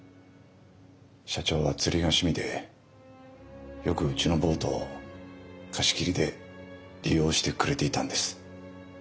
社長は釣りが趣味でよくうちのボートを貸し切りで利用してくれていたんです。